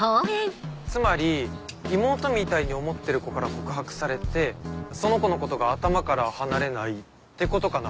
つまり妹みたいに思ってる子から告白されてその子のことが頭から離れないってことかな？